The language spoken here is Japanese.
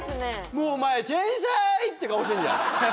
「もうお前天才！」って顔してんじゃん